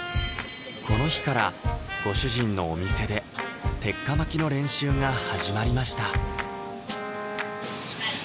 この日からご主人のお店で鉄火巻きの練習が始まりました